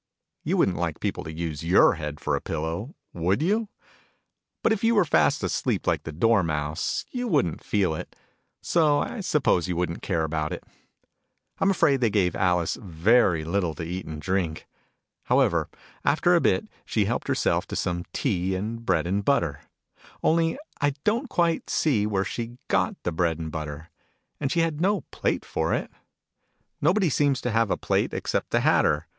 You wouldn't like people to use your head for a pillow, would you ? But if you were fast asleep, like the Dormouse, you wouldn't feel it : so I suppose you wouldn't care about it. I'm afraid they gave Alice very little to eat and drink. However, after a bit, she helped herself to some tea and bread and butter : only Digitized by Google THE MAD TEA PARTY. 39 I don't quite see where she got the bread and butter : and she had no plate for it. Nobody seems to have a plate except the Hatter.